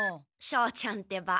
庄ちゃんってば。